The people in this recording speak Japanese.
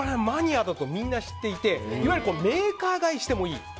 マニアだとみんな知っていていわゆるメーカー買いしてもいい。